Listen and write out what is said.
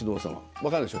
分かるでしょ？